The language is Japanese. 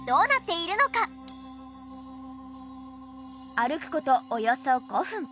歩く事およそ５分。